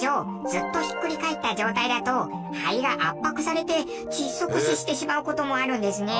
ずっと、ひっくり返った状態だと肺が圧迫されて、窒息死してしまう事もあるんですね。